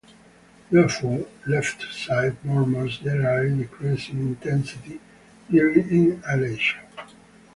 Therefore, left-sided murmurs generally decrease in intensity during inhalation.